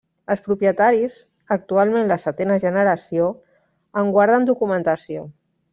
Els propietaris, actualment la setena generació, en guarden documentació.